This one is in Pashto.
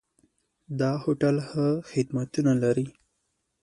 دا هوټل ښه خدمتونه لري.